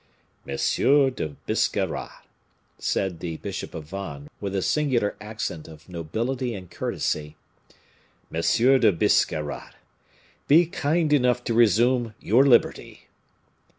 "Monsieur de Biscarrat," said the bishop of Vannes, with a singular accent of nobility and courtesy, "Monsieur de Biscarrat, be kind enough to resume your liberty."